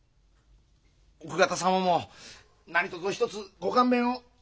奥方様も何とぞ一つご勘弁を。